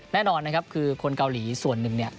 แน่นอนนะครับคือคนเกาหลีส่วนหนึ่งเนี่ย